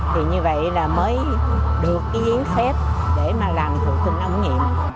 thì như vậy là mới được cái yến phép để mà làm thủ tinh ống nghiệm